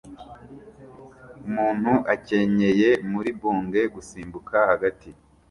Umuntu akenyeye muri bunge-gusimbuka hagati